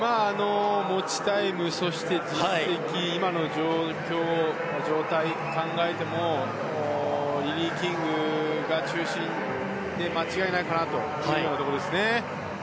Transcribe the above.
持ちタイムそして実績今の状態を考えてもリリー・キングが中心で間違いないかなというところですね。